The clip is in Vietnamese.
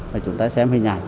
và chúng ta xem hình ảnh